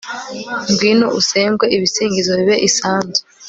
ngwino usengwe ibisingizo bibe isanzu